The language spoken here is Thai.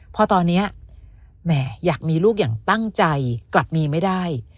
เพราะตอนนี้แหมอยากมีลูกอย่างตั้งใจกลับมีไม่ได้